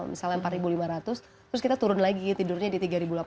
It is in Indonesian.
misalnya empat lima ratus terus kita turun lagi tidurnya di tiga delapan ratus